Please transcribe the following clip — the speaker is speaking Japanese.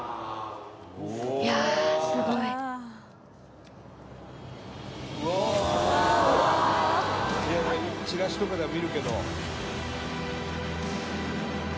「いやいやよくチラシとかでは見るけど」